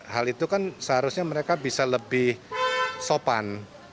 hal itu kan seharusnya mereka bisa lebih sopan